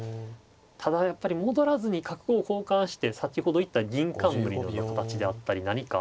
ただやっぱり戻らずに角を交換して先ほど言った銀冠のような形であったり何か。